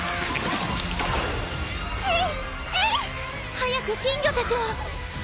早く金魚たちを！ははい！